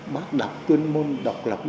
bác đọc tuyên môn độc lập